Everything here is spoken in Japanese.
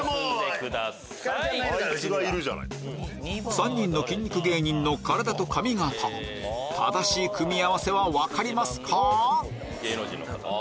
３人の筋肉芸人の体と髪形正しい組み合わせは分かりますか？